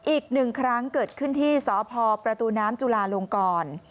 อีกหนึ่งครั้งเกิดขึ้นที่สพประตูน้ำจุลาลงกร